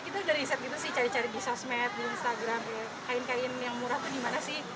kita udah riset gitu sih cari cari di sosmed di instagram kain kain yang murah tuh gimana sih